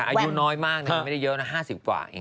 อายุน้อยมากเนี่ยไม่ได้เยอะนะ๕๐กว่า